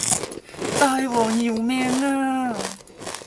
大王饒命呀